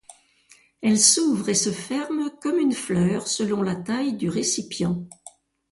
Elle s'ouvre et se ferme comme une fleur selon la taille du récipient.